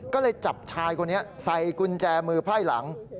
ก็เลยจับชายคนนี้ใส่กุญแจมือไพร่หลัง